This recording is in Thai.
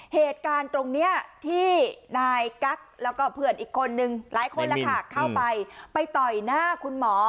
เหตุการณ์ตรงนี้ที่นายกั๊กแล้วก็เพื่อนอีกคนนึงหลายคนแล้วค่ะเข้าไปไปต่อยหน้าคุณหมอ